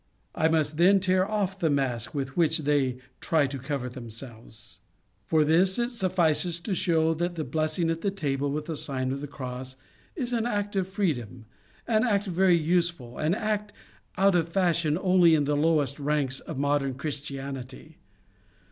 I must then tear off the mask with which they try to cover themselves. For this, it suffices to show that the blessing at table with the Sign of the Cross is an act of free dom, an act very useful, an act out of fashion only in the lowest ranks of modern Chris tianity.